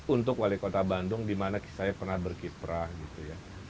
untuk wali kota bandung di mana saya pernah berkiprah gitu ya